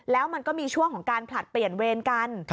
แล้วมันก็มีช่วงของการผลัดเปลี่ยนเวรกัน